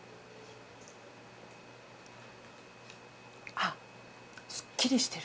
あすっきりしてる。